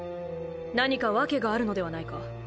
何かワケがあるのではないか？